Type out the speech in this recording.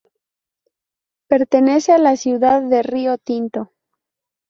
Pertenece a la ciudad de Río Tinto.